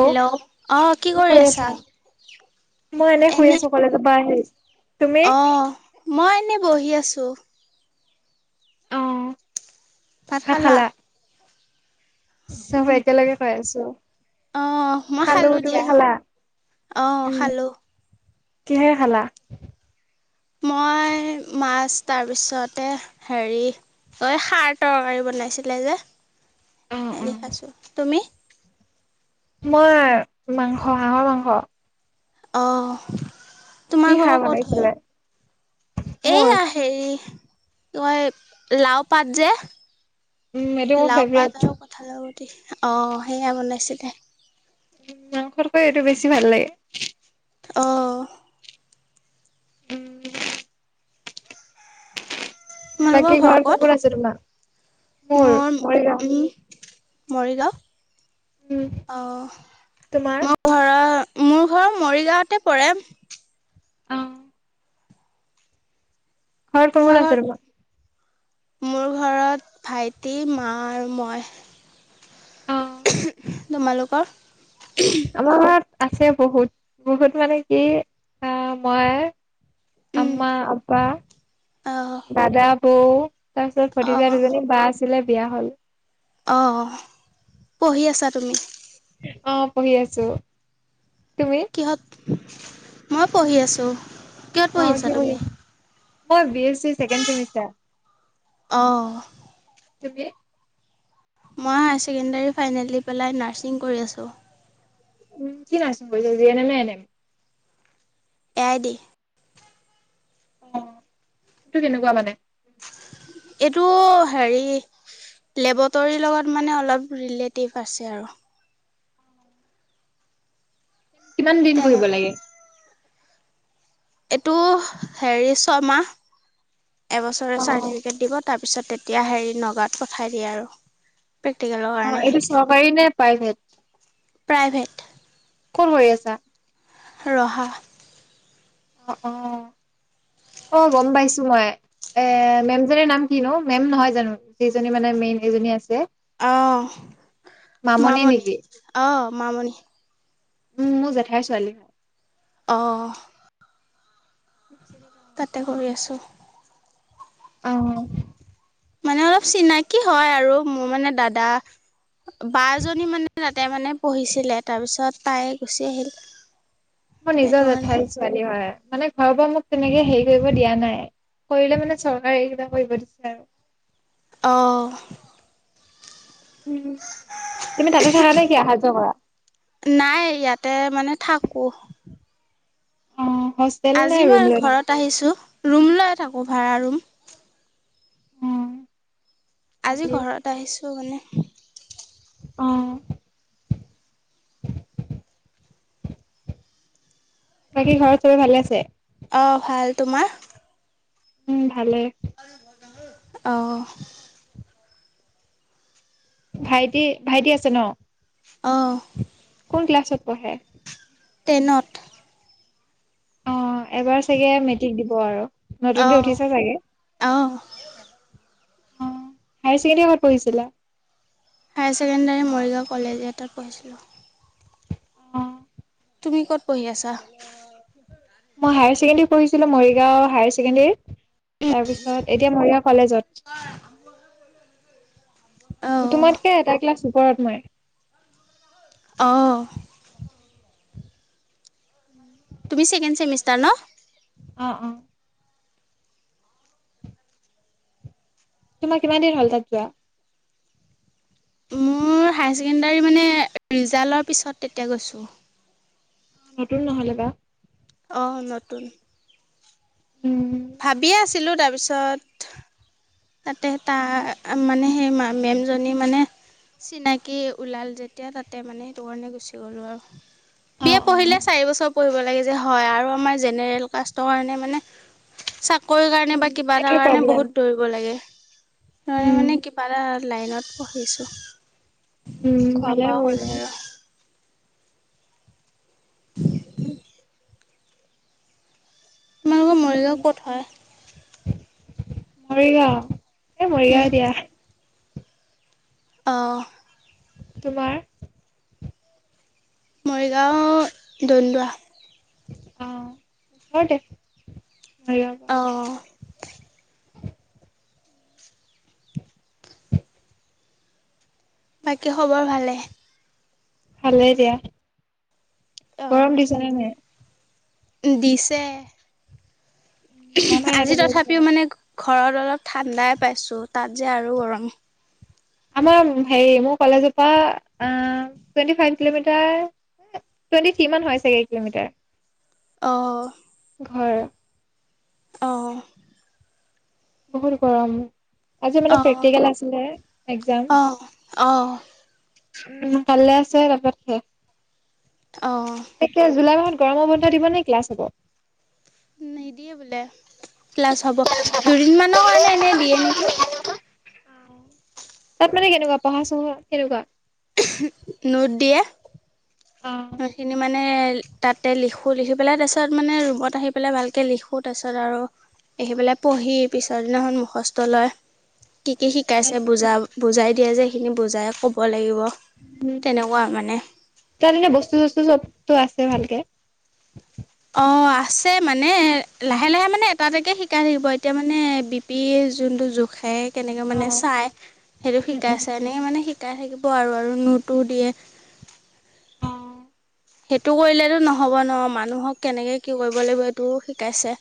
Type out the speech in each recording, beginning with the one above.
Hello, অ' কি কৰি আছা? মই এনে শুই আছোঁ, কলেজৰ পৰা আহি। তুমি? অ', মই এনেই বহি আছোঁ। অ', পাঠ ভাত শালা খালা? চব একেলগে খাই আছোঁ, অ মই খালো তুমি দিয়া খালা? অ', উম, খালোঁ। কিহেৰে খালা? মই মাছ তাৰপিছতে হেৰি ঐ সাৰ তৰকাৰী বনাইছিলে যে, অ', সেয়া অ'। দি খাইছোঁ, তুমি? মই মাংস, হাঁহৰ মাংস অ'। কি তোমাৰ ঘৰ খাৰ ক'ত হয়? বনাইছিলে? মোৰ? এয়া হেৰি মই লাও পাত যে উম, এইটো মোৰ লাও ফেভৰেট। পাত আৰু কথালৰ গুতি অ' সেয়া বনাই চিলে। উ, [unintelligible] বেছি ভাল লাগে। অ'। বাকী তোমালোকৰ ঘৰত কোন ঘৰকত? কোন আছে তোমাৰ? মোৰ? মৰিগাঁও। মোৰ উম, মৰিগাঁও তোমাৰ? অ' মোৰ ঘৰৰ মোৰ ঘৰ মৰিগাঁৱতে পৰে। অ'। ঘৰত কোন কোন তোমাৰ আছে ঘৰত কি? মোৰ ঘৰত ভাইটি, মা আৰু মই। অ', তোমালোকৰ? আমাৰ ঘৰত আছে বহুত বহুত মানে কি অ' মই উম আমমা, আববা, অহ দাদা বও। তাৰপিছত ভতিজা দুজনী বা আছিলে বিয়া হল। অ' পঢ়ি আছা তুমি। অ' পঢ়ি আছো। তুমি কিহত মই পঢ়ি আছোঁ কিহত পঢ়ি আছা তুমি? মই বি এছ চি ছেকেডছেমিষ্টাৰ। অহ মই হায়াৰ ছেকেন্ডাৰি ফাইনেল দি পেলাই নাৰ্ছিং কৰি আছোঁ। উম কি নাৰ্ছিং কৰিচা যি এনেম নে এনম। এআইদি। অ' সেইটো কেনেকুৱা মানে? এইটো হেৰি লেবটৰীৰ লগত মানে অলপ ৰিলেটিভ আছে আৰু। কিমান দিন কৰিব তেনেকুৱা লাগে? এইটো হেৰি ছমাহ অ এবছৰে চাৰ্টিফিকেট দিব। তাৰপিছত তেতিয়া হেৰি নগাঁওত পঠাই দিয়ে আৰু। প্ৰেক্টিকেলৰ অ' কাৰণে এইটো চৰকাৰি নে? প্ৰাইভেট প্ৰাইভেট কত হৈ আছে? ৰহা। অ' অ' অ গম পাইছো মই। এ' মেম জনীৰ নাম কিনো মেম নহয় জানো যিজনী মানে মেইন এইজনী আছে। অ' মামনি মামণি, নেকি? অ' মামণি। উম মোৰ জেঠাইৰ ছোৱালী। অ'। তাতে কৰি আছো। অ'। মানে অলপ চিনাকি হয় আৰু মোৰ মানে দাদা বা জনী মানে তাতে মানে পঢ়িছিলে তাৰ পিছত তাই গুচি আহিল। মোৰ নিজৰ সেইটো কাৰণে জেঠাই ছোৱালী হয় মানে ঘৰৰ পৰা মোক তেনেকে হেৰি কৰিব দিয়া নাই কৰিলে মানে চৰকাৰী কেইটা কৰিব দিছে আৰু। অ'। উম, তুমি তাতে থাকা নে কি অহা যোৱা কৰা? নাই ইয়াতে মানে থাকো। অ', হোষ্টেল নে আজি ৰুম মই লৈ থাকা? ঘৰত আহিছোঁ ৰুম লৈ থাকোঁ ভাড়া ৰুম। আজি ভালেই। ঘৰত আহিছো মানে। অ'। [inaudible] বাকী ঘৰত চবে ভালে আছে? অ', ভাল তোমাৰ? উম, ভালে। অ', ভাইটি ভাইটি আছে ন? অ', কোন ক্লাছত পঢ়ে? তেনত। অ', এবাৰ চাগে মেট্ৰিক দিব আৰু। নতুনকৈ অঁ উঠিছে চাগে? অঁ অ', হাই ছেকেণ্ডাৰী কত পঢ়িছিলা? হাই ছেকেণ্ডাৰী মৰিগাঁও কলেজ এটাত পঢ়িছিলোঁ। অ', তুমি ক'ত পঢ়ি আছা? মই হাই ছেকেণ্ডৰী পঢ়িছিলো মৰিগাঁও হাই ছেকেণ্ডৰী তাৰপিছত এতিয়া মৰিগাঁও কলেজত। অঁ তোমাতকে এটা ক্লাছ ওপৰত মই। অ', তুমি ছেকেণ্ড ছেমিষ্টাৰ ন? অ', অ', তোমাৰ কিমান দেৰি হল তাত যোৱা? হাই ছেকেণ্ডাৰী মানে ৰিজালৰ পিছত তেতিয়া গৈছোঁ। নতুন নহলে বা অ' নতুন। উম, ভাবিয়ে আছিলোঁ তাৰপিছত তাতে তাৰ মানে সেই মেমজনী মানে চিনাকি ওলাল যেতিয়া তাতে মানেইটো কাৰণে গুচি গ'লোঁ আৰু। বি এ অ', অ'। পঢ়িলে চাৰি বছৰ পঢ়িব লাগে যে হয়, আৰু আমাৰ জেনেৰেল কাষ্টৰ কাৰণে মানে চাক কৰি কাৰণে বা কিবা এটা সেইটোৱে কাৰণে প্ৰব্লেম। বহুত দৈৰি লাগে, সেইটুকাৰণে উম, মানে কিবা এটা লাইনত উম, পঢ়িছোঁ। খোৱা ভালে বোৱা হলে কৰিছা। আৰু। তোমালোকৰ উম, মৰিগাওঁ ক'ত হয়? মৰিগাঁও এ মৰিগাঁও দিয়া। অ', তোমাৰ? মৰিগাঁও দণ্ডুৱা। অ', ওচৰতে। মৰিগাঁৱৰ পৰা। অ', [inaudible] বাকী খবৰ ভালে? ভালেই দিয়া অঁ গৰম দিছেনে নাই? দিছে আমাৰ ইয়াতো আজি বহুত তথাপিও গৰম। মানে ঘৰত অলপ ঠাণ্ডাই পাইছোঁ তাত যে আৰু গৰম। আমাৰ হে মোৰ কলেজৰ পৰা আ, twenty five kilometre twenty three মান হয় চাগে কিলোমিটাৰ। অ', ঘৰ। অ', বহুত গৰম আজি মানে অঁ প্ৰেক্টিকেল আছিলে এক্সাম। অ', উম, ভালে আছে [unintelligible] খে অঁ তাকে জুলাই মাহত গৰমৰ বন্ধ দিব নে ক্লাছ হব? নিদিয়ে বোলে ক্লাছ হ'ব দুদিনমানৰ কাৰণে এনে দিয়ে নেকি? অ', মানে কেনেকুৱা পঢ়া চহা কেনেকুৱা? নোট দিয়ে। সেইখিনি মানে তাতে লিখোঁ লিখি পেলাই তাৰ পিছত মানে ৰুমত আহি পেলাই ভালকে লিখোঁ, তাৰ পিছত আৰু আহি পেলাই পঢ়ি পিছৰ দিনাখন মুখস্থ লয়। কি কি শিকাইছে বুজা বুজাই দিয়ে যে, সেইখিনি বুজাই ক'ব লাগিব। তেনেকুৱা মানে। তেনেকে বস্তু চস্তু চবতো আছে ভালকে। অ', আছে মানে লাহে লাহে মানে এটা এটা শিকাই থাকিব এতিয়া মানে বি পি যোনটো জোখে কেনেকে মানে চাই সেইটো উম। শিকাইছে এনে মানে শি শিকাই থাকিব আৰু আৰু নোতো দিয়ে সেইটো কৰিলেতো নহব ন মানুহক কেনেকে কি কৰিব লাগিব এইটো শিকাইছে।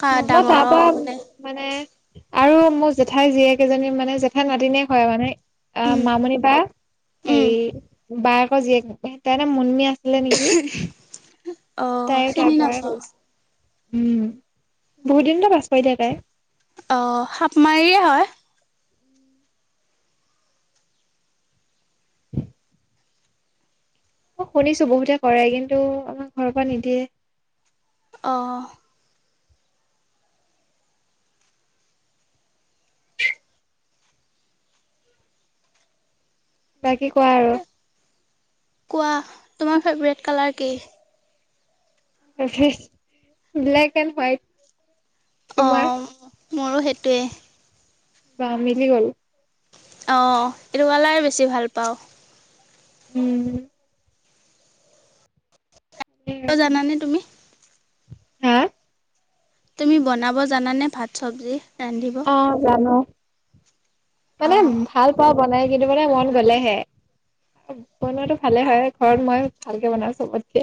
কা ম ডাঙৰক পাপা মানে মানে আৰু মোৰ জেঠাই জীয়েক এজনী মানে জেঠাই নাতিনীয়েক হয় মানে। অ', উম মামণি বা উম হেৰি বায়েকৰ জীয়েক হয় তাৰনাম মুনমি আছে আছিলে নেকি। অ' তাইয়ো তাৰ চিনি পৰাই নাপাওঁ কৰিছে উম, বহুত দিনতো পাছ কৰিলে তাই। অ', সাপমাৰীয়ে হয়। অ', শুনিছো বহুতে কৰে কিন্তু আমাক ঘৰৰ পৰা নিদিয়ে। অ', বাকী ক? কোৱা তোমাৰ ফেভৰেট কালাৰ কি? Favourite black and white. তোমাৰ অ' মোৰো সেইটোৱে। বা মিলি গ'ল। অ', এইটো কালাৰ বেছি ভাল পাওঁ। উম, কিয় জানানে তুমি? হা তুমি বনাব জানানে ভাত সবজি? অ', জানো। মানে অ' ভাল পাওঁ বনাই কিন্তু মানে মন গলেহে। বনোৱাটো ভালে হয় ঘৰত মই ভালকে বনাওঁ সবতকে।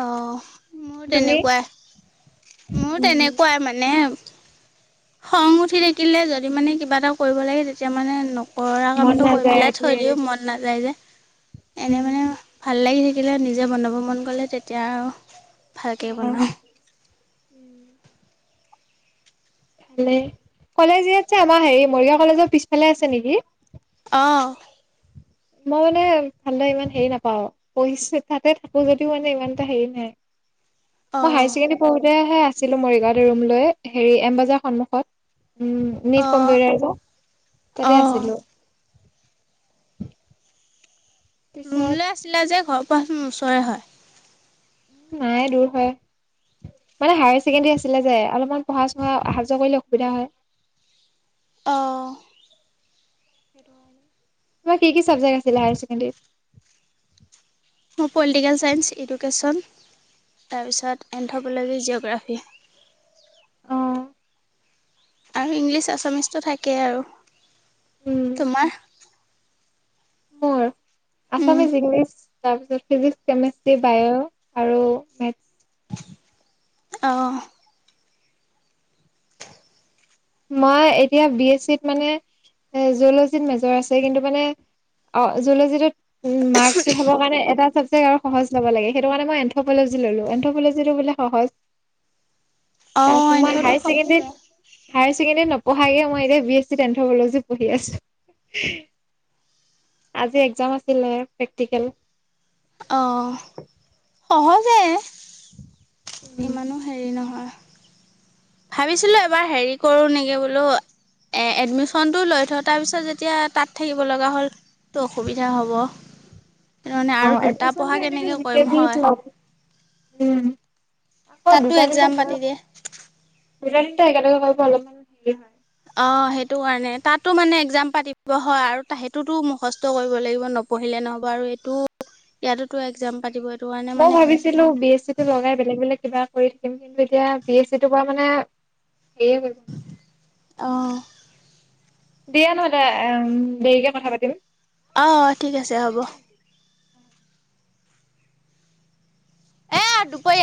অ', মোৰ তেনেকুৱাই মোৰ উম, তেনেকুৱাই মানে খং উঠি থাকিলে যদি মানে কিবা এটা কৰিব লাগে তেতিয়া মানে নকৰা মন কামটো কৰি নাযায় পেলাই থৈ এইটোৱে দিওঁ মন নাযায় যে, এনে উম, মানে ভাল লাগি থ থাকিলে নিজে বনাব মন গ'লে তেতিয়া আৰু ভালকে অ'। বনাওঁ। ভালে, কলেজ ইয়াত আমাৰ হেৰি মৰিগাঁও কলেজৰ পিছফালে আছে নেকি? অ', মই মানে ঠাণ্ডা ইমান হেৰি নাপাও, পঢ়িছো তাতে থাকো যদিও মানে ইমান এটা হেৰি নাই। মই অঁ হায় ছেকেণ্ডাৰী পঢ়োতেহে আছিলোঁ মৰিগাঁৱত ৰুম লৈ, হেৰি এম বজাৰ সন্মুখত। উম, নীট অঁ কম্পিউটাৰ যে তাতে অঁ আছিলোঁ। ৰুম পিছত লৈ আছিলা যে ঘৰৰ পৰাছোন ওচৰে হয়। উম, নাই দূৰ হয়। মানে হায় ছেকেণ্ডাৰী আছিলে যে অলপমান পঢ়া চহা অহা যোৱা কৰিলে অসুবিধা হয়। অ', তোমাৰ কি কি চাবজেক্ট আছিলে হায়াৰ ছেকেণ্ডাৰীত? মোৰ পলিটিকেল চায়েঞ্চ এডুকেশ্যন। তাৰপিছত এন্থপলজি জিঅগ্ৰাফী। অ আৰু ইংলিছ আছামিছটো থাকে আৰু উম তোমাৰ, মোৰ উম আছামিজ ইংলিছ। তাৰপিছত ফিজিক্স, কেমেষ্ট্ৰি, বায় আৰু মেথছ, অহ, মই এতিয়া বি এছ চিত মানে জলজিত মেজৰ আছে কিন্তু মানে। অ জলজীটোত মাৰ্কছ উঠাবৰ কাৰণে এটা চাবজেক্ট, আৰু সহজ ল'ব লাগে সেইটো কাৰণে মই এন্থপলজি ললো এন্থপলজিটো বোলে সহজ। অঁ তাৰপিছত মই এন্থটো হায়াৰ ছেকেণ্ডাৰীত, সহজে নপঢ়াকে মই এতিয়া বি এ চিত এন্থপলজিত পঢ়ি আছো। আজি এক্সজাম আছিলে প্ৰেক্টিকেল। অ সহজে, উম ইমানো হেৰি নহয়। ভাবিছিলোঁ এবাৰ হেৰি কৰোঁ নেকি বোলো। এ এডমিচনটো লৈ থওঁ তাৰ পিছত যেতিয়া তাত থাকিব লগা হ'ল। তো অসুবিধা হ'ব। সেইটো কাৰণে অ আৰু দুটা এডমিচন পঢ়া কি এনেকে কেনেকৈ জি কে কৰিম বিত হয় ল'ব উম, আকৌ তাতো দুটা তিন এক্সাম পাতি দিয়ে দুটা তিনিটা একেলগে কৰিব অলপমান হেৰি হয়। অ সেইটো কাৰণে তাতো মানে একজাম পাতিব হয় আৰু সেইটোতো মুখস্থ কৰিব লাগিব ন- পঢ়িলে নহ'ব আৰু এইটো ইয়াতোতো একজাম পাতিব। কাৰণে মই মানে ভাবিছিলো বি এছ চি টো লগাই বেলেগ বেলেগ কিবা কৰি- কিন্তু এতিয়া পি এছ চি তৰ পৰা মানে - - আহ দিয়া নহলে দে উম দেৰিকে কথা পাতিম অঁ ঠিক আছে হ'ব। এ দুপৰীয়া